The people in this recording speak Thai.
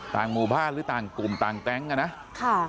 ต่างหมู่พ่านหรือกลุ่มต่างแต๊งนะครับ